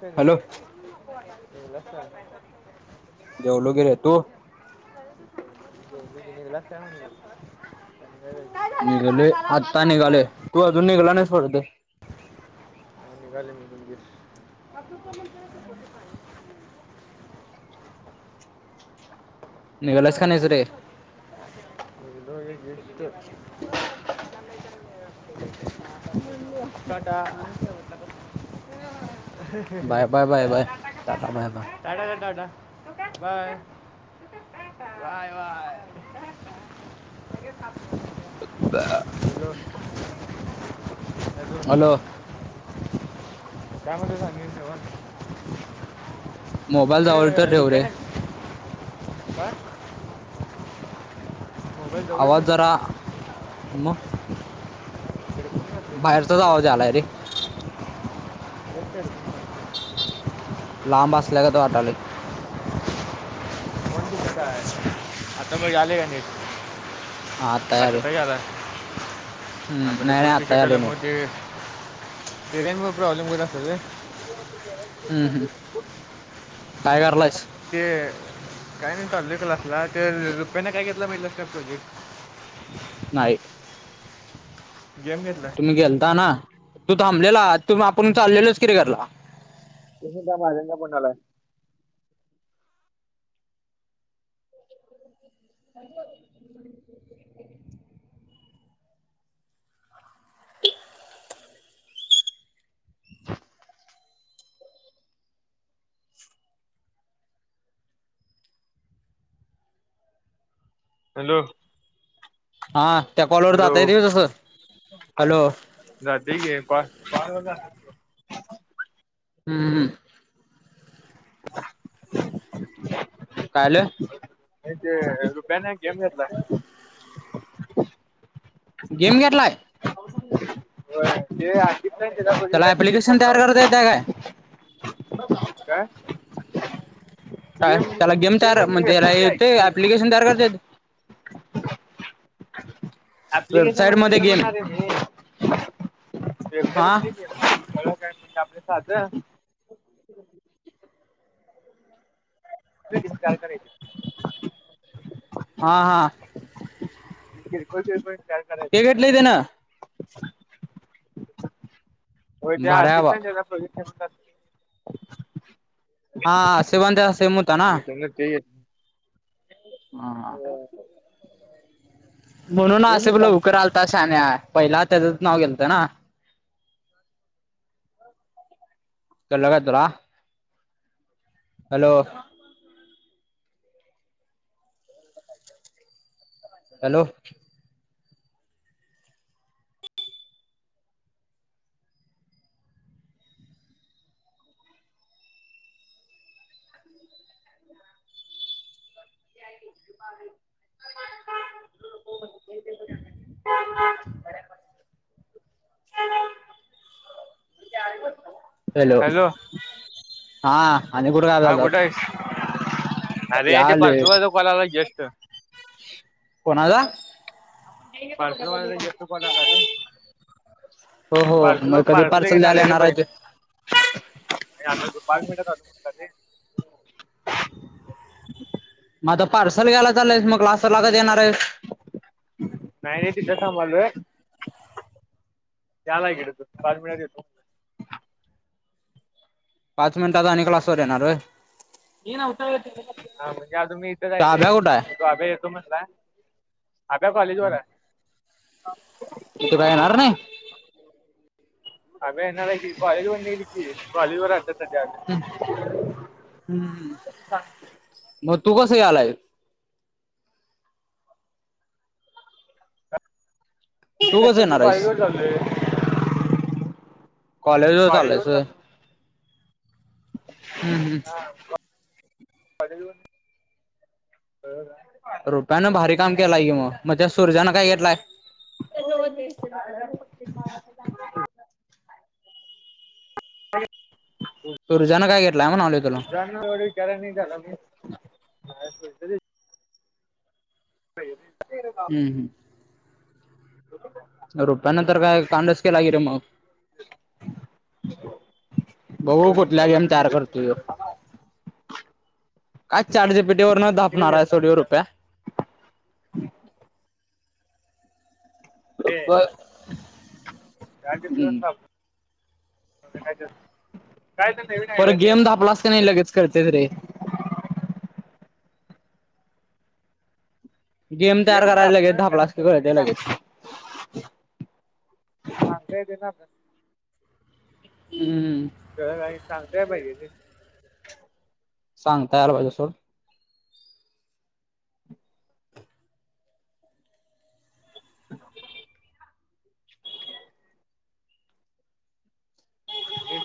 Hello [unintelligible] जेवलो की रे तू? [unintelligible] निघालोय, हाताला हात आत्ता हात निघालोय. करून तू अजून, निघला नाहीस, वाटतं. [unintelligible] पोटी [unintelligible] पाणी निघालस का नाही सुरे [inaudible] [unintelligible] Tata bye, bye, bye, bye का टाटा ना? Bye, bye. काय? टाटा कर टाटा, बाय. तू का? Bye, bye [unintelligible] hello, hello hello काय म्हणतोयस? [unintelligible] मोबाईल जवळ तर ठेव रे. काय मोबाईल जवळ ठेव. आवाज जरा म इकडे कोण घातले बाहेरचाच का? आवाज आलाय रे. [unintelligible] लांब असल्यागत वाटालय. काय आता बघ आले काय नीट? हां आता यायलय. आता ते फोन नाही आत्ता यालय बिघडलेला मुळे नीट ते, तेज्यामुळ प्रॉब्लेम होत असल रे हम्म हम्म. काय करालायस? ते काय नाही चालोय क्लासला. ते रुप्यान काय घेतलाय बघितलास काय प्रोजेक्ट? नाही. गेम घेतलाय. तुम्ही गेलता ना तू थांबलेला तू आपण चाललेलोच कि घरला. [unintelligible] [inaudible] हॅलो! हा त्या कॉलवर हॅलो जाता येतंय व्हय तस हॅलो जातय की [unintelligible] हम्म [inaudible] काय आलं? हे ते रुप्यान गेम घेतला. गेम घेतलाय? [inaudible] होय ते आधी काय त्याच्या पूर्वी त्याला काय तशीच ऍप्लिकेशन मज्जा तयार करता येतय काय वाटत्या काय काय जे त्याला गेम जे तयार म्हण म्हणजे त्याला वेबसाईट आहे की येतय, रे ऍप्लिकेशन तयार करतायेतं. ऍप्लिकेशन वेबसाइट म्हणजे मध्ये कसं गेम म्हणणार वेबसाईट हा मध्ये गेम, [unintelligible] [inaudible] [inaudible] हा हा. [unintelligible] [unintelligible] होय, त्या भारी आधी हाय बा पण त्याचा प्रोजेक्ट असतात. हा आसिफ आणि त्याचा सेम होता ना? त्यांना ते एक हा म्हणून आसिफ मिनिट थांब लवकर आलता शहाण्या पहिला त्याचंच नाव गेलत ना हॅलो हॅलो [unintelligible] हॅलो, हा आणि कुठं गायब हा कुठयेस. झालतात अरे ते यालोय पाचव्या चा कॉल आला यशच कोणाचा पार्सलवाल्या येतो पण का हो हो पार्सल मग कधी पार्सल येणार द्यायला आहे रे बहिणी ते नाही आता पाच मिनिटात माझं पार्सल घ्यायला चालंलायस मग कधी लागत येणार येस. नाही नाही तिथं थांबायलोय. झाल्या इकडच पाच मिनिटात येतो. पाच मिनिटात आणि क्लासवर येणार ये. हा म्हणजे अजून मी इथेच आहे रे त तो आभ्या येतो म्हणला आभ्या कॉलेज वर आहे. तू काय येणार नाही. अबे येणार ये की काॅलज वर आहे. सध्या अभ्या. हम्म, मग तू कसकाय आलायेस. नाही तू कसं नंतर मी येणार आहेस? कॉलेजर चाललोय. कॉलेजवर चालायचंय व्हय. हम्म हम्म हा रुप्यानं भारी काम केलाय की मग म त्या सूरज्यानं काय घेतलाय [inaudible] सुरज्यान काय घेतला, म्हणून म्हटले तुला एवढ विचारच नाही केला मी नाही‌. हम्म रुप्यान तर काय कांडच केला की रे मग बघू कुठल्या सगळं गेम तयार युनिकच करतोय ह्यो घेतलं. काय चॅट जीपीटीवरन युनिकच धापणार घेतला आहे म्हणलं. रुप्या हे काय काय आयडिया परत गेम धापलास का नाही रे. लगेच कळते रे गेम तयार करायला लगेच धापलास की कळते लगेच चालतय ते ना हम्म. चालतय. सांग तयार व्हायचा सोड.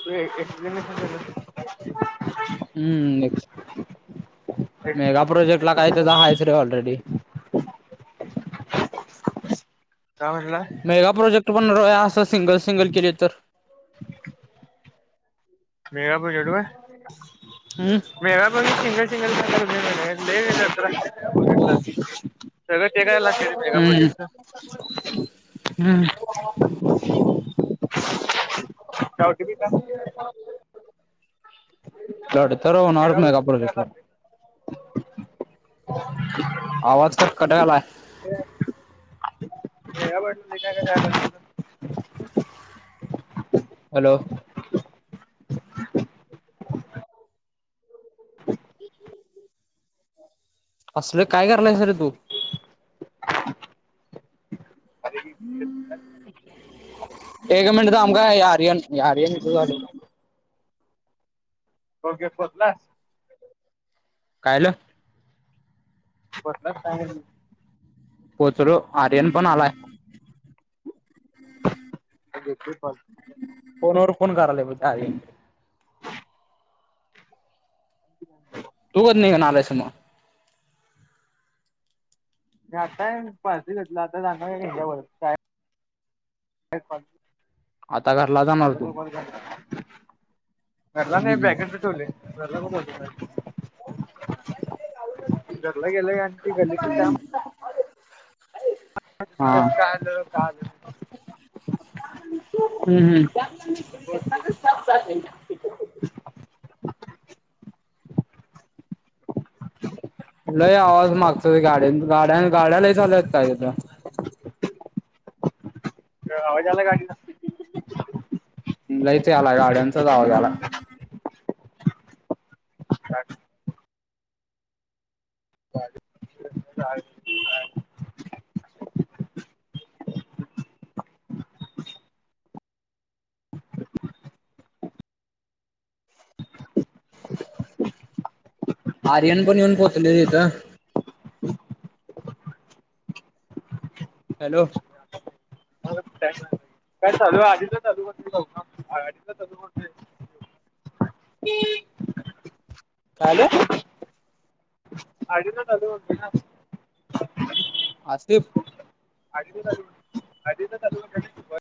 [inaudible] हम्म नेक्स्ट मेगा प्रोजेक्ट ला एक्सप्लेनेशन काय त्याच केलं. हायच रे ऑलरेडी काय म्हटलं मेगा प्रोजेक्ट पण असं सिंगल सिंगल केले तर मेगा बागीतलो काय हम्म. [unintelligible] [unintelligible] सगळं ते काय लागते ते मेगा हम्म प्रोजेक्टच. हम्म ओ टी पी सांग, [unintelligible] लडतर होणार मेगा ते काय प्रोजेक्ट ला, लागतंय [unintelligible] आवाज कटकट यालय. मेगा [unintelligible] हॅलो असल काय करालायस रे तू? एक मिनट थांब काय आर्यन आर्यन इथ [unintelligible] थांब. ओके पोहचलास? कायलं पोहचलात काय म्हणलं? पोचलो आर्यन पण आलाय. देेतोय [unintelligible] फोनवर फोन करालय बग ते आर्यन. [unintelligible] तू [unintelligible] मग मी आता पारस घेतलो आता जाणार हाय ह्याच्यावर [unintelligible] आता घरला जाणार तू [unintelligible] घरला नाही हम्म बॅगेतच ठेवलोय घरला कुठ जातोस आणि, घरला गेलं की आणि ती गल्लीतली [unintelligible] हा. [unintelligible] हम्म आलं [unintelligible] [unintelligible] लय आवाज मागच गाड गाड्या गाड्या लई चालू आहेत काय तिथ? काय आवाज यालाय गाडीचा? लईच यालाय गाड्यांचाच आवाज यालाय. [unintelligible] [unintelligible] [unintelligible] आर्यन पण येऊन पोहोचलय तिथं, हॅलो काय चालू आधीच चालू बंद आधीचा चालू [unintelligible] [unintelligible] काय झालं? आधीच चालू होतय ना, आसिफ आधीच चालू आधीच चालू [unintelligible]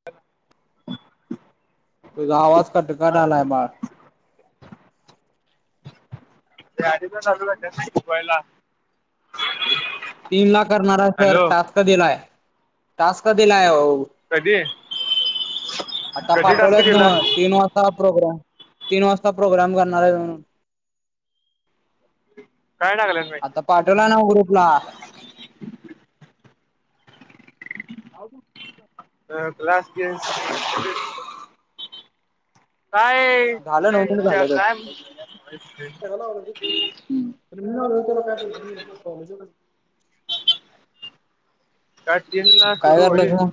[unintelligible] तुझा आवाज कट कटा लाय बाळ. [unintelligible] तीन ला करणार सर हॅलो टास्क दिलाय टास्क दिलाय ओ, कधी? आता कधी टास्क पाठवल्यात नव, दिला तीन वाजता प्रोग्राम, तीन वाजता प्रोग्राम करणार हाईत म्हणून. काय टाकल्यात मॅसेज? तेला ना ग्रुप ला. अ क्लास [unintelligible] काय झालं नऊ मिनिट त्यांच्या झालं तर काय [unintelligible] हुं. [unintelligible] कॉलेजस दॅट तीन ला काय सुरू करायलास होईल, मग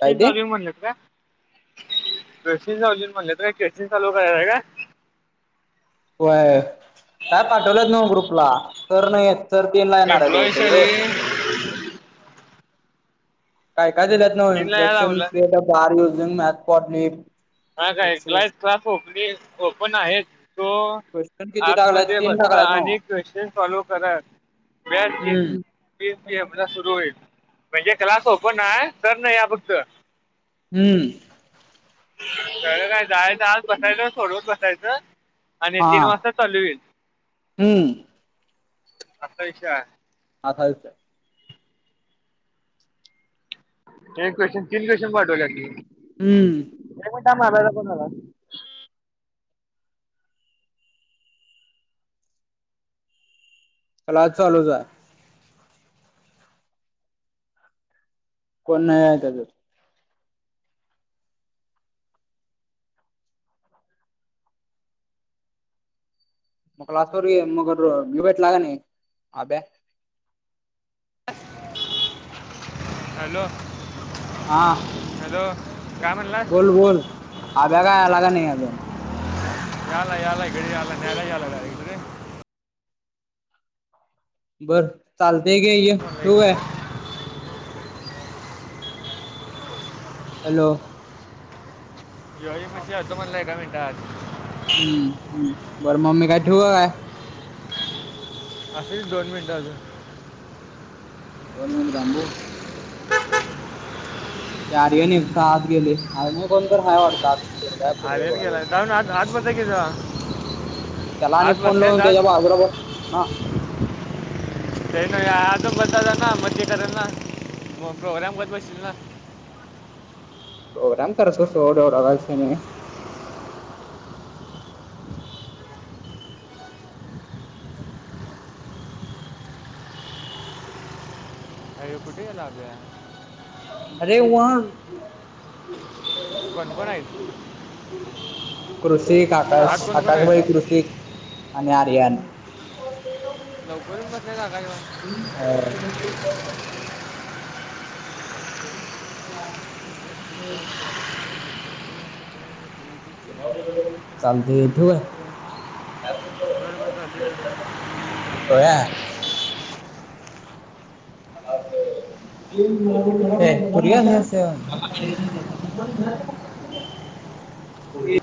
काय ते म्हणलेत का? [unintelligible] म्हणलेत का? केसन चालू करायचय का? व्हय, काय पाठवल्यात नव ग्रुपला, सर नाहीेत. सर तीन ला येणार आहेत बहुतेक रे. एम्प्लॉई काय काय दिल्यात न्हव, तीन ला याय इंट्रडक्शन लावलं print of car museum, math पॉटलीन हा काय, गाएज क्लास ओपनी ओपन आहेत सो क्वेश्चन किती आत टाकल्यात मध्ये तीन बसता टाकल्यात नव्ह आणि क्वेश्चन फॉलो करत. सगळ्या फिज हम्म तीन पी एम ला सुरू होईल. म्हणजे क्लास ओपन हाय, सर नाही हाय फक्त. हुं. कळलं काय, जायचं आत बसायचं, सोडवत बसायचं. आणि हा तीन वाजता चालू होईल. हम्म आसा विषय हाय. आसा विषय हाय. हे क्वेशन तीन दिवसात पाठवल्यात की. हुं. एक मिनिट थांब. अभ्याचा फोन आलाय. क्लास चालूच हाय. कोन नाही आत आजुन. मग क्लास वर, मग यो भेटला का नाय अभ्या. हॅलो. हा. हॅलो. काय म्हणलास बोल बोल, अभ्या काय आला काय नाही अजून? यालाय यालाय इकडं यालाय, न्यायला याय लागलाय. बर चालतय घे ये. मला एक ठेऊ मिनिट. काय? हॅलो. जिव्हाजी पाशी येतो म्हणलाय, एका मिनिटात. हू हू, बरं म मी ठेऊ का काय? असूदे दोन मिनिट आजुन. दोन मिनिटं थांबू. ते आर्यन एकट आत गेलय, आजुन कोण तर हाय वाटत आत. पोरगा पोरगी आर्यन बघायला गेलाय, जावून आत आत बस जा की जा. आत बसल्यात आत. हा. ते नाय आत जाऊन बसायचं ना, मज्जा करायला मग प्रोग्राम करत बसशील ना. प्रोग्राम करतो सोड, एवढा काय विषय नाही. [inaudible] आयो कुठे गेला अभ्या अरे व्हा बडबडा आहे तु कृषिक एक आकाश आकाश भाई कृषिक आणि आर्यन लवकर बसलाय काका जेवायला. हा [unintelligible] पाठी बसु काय रे. हा पाठीमागं सगळे बसलेत [inaudible] [unintelligible] चालतय येतो काय? काय बोलतोस बरोबर कुणाब बोलतोस चालते ओळखीचा हाय का रोया [unintelligible] [unintelligible] पोरगी